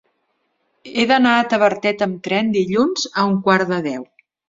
He d'anar a Tavertet amb tren dilluns a un quart de deu.